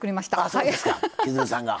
あそうですか千鶴さんが。